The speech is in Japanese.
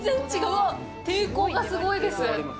うわっ、抵抗がすごいです！